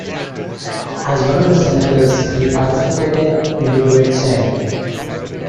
As one of the senators he participated in the Great Sejm.